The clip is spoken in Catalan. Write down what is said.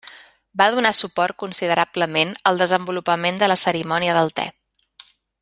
Va donar suport considerablement el desenvolupament de la cerimònia del te.